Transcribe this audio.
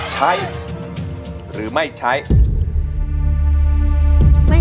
ใช้หรือไม่ใช้